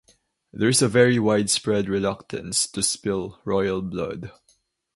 There is a very widespread reluctance to spill royal blood.